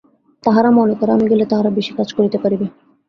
তাহারা মনে করে, আমি গেলে তাহারা বেশী কাজ করিতে পারিবে।